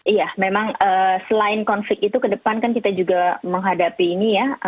iya memang selain konflik itu ke depan kan kita juga menghadapi ini ya